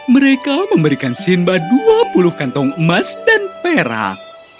mereka memberikan simba dua puluh kantong emas dan perak